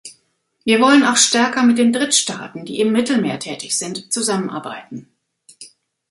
Wir wollen auch stärker mit den Drittstaaten, die im Mittelmeer tätig sind, zusammenarbeiten.